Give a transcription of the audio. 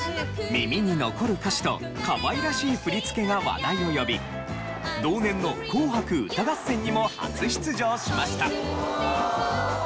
耳に残る歌詞とかわいらしい振り付けが話題を呼び同年の『紅白歌合戦』にも初出場しました。